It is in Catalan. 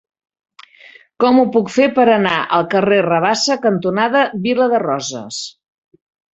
Com ho puc fer per anar al carrer Rabassa cantonada Vila de Roses?